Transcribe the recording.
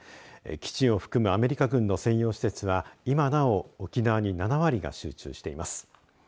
基地を含むアメリカ軍の専用施設は今なお沖縄に７割が集中しています。